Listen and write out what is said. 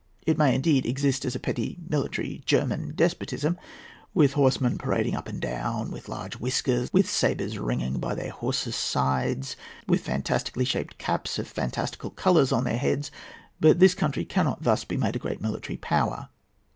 It may indeed exist as a petty military German despotism, with horsemen parading up and down, with large whiskers, with sabres ringing by their horses' sides, with fantastically shaped caps of fantastical colours on their heads; but this country cannot thus be made a great military power.